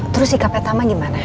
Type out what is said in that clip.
terus sikapnya tamat gimana